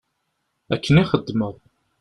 Akken i xeddmeɣ.